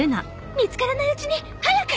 見つからないうちに早く！